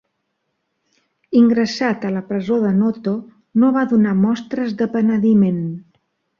Ingressat a la presó de Noto no va donar mostres de penediment.